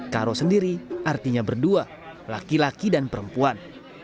karo sendiri artinya berdua laki laki dan perempuan